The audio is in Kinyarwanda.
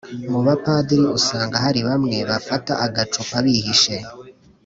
Mubapadiri usanga hari bamwe bafata agacupa bihishe